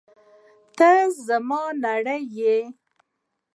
ته زما نړۍ یې!